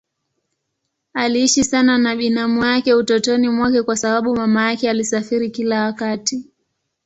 Aliishi sana na binamu yake utotoni mwake kwa sababu mama yake alisafiri kila wakati.